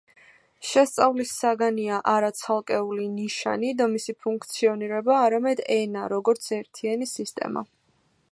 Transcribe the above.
შესწავლის საგანია არა ცალკეული ნიშანი და მისი ფუნქციონირება, არამედ ენა, როგორც ერთიანი სისტემა.